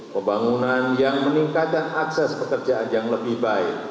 pembangunan yang meningkatkan akses pekerjaan yang lebih baik